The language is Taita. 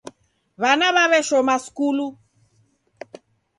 Wana waweshoma skulu